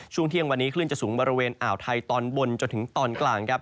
ช่วงเที่ยงวันนี้คลื่นจะสูงบริเวณอ่าวไทยตอนบนจนถึงตอนกลางครับ